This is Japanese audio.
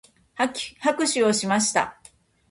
拍手をしました。